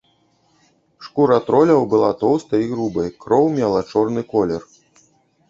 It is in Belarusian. Шкура троляў была тоўстай і грубай, кроў мела чорны колер.